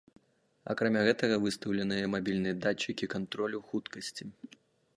Акрамя гэтага выстаўленыя мабільныя датчыкі кантролю хуткасці.